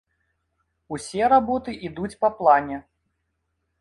Усе работы ідуць па плане.